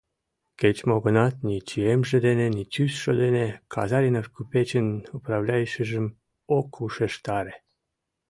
Кеч-мо гынат, ни чиемже дене, ни тӱсшӧ дене Казаринов купечын управляющийжым ок ушештаре.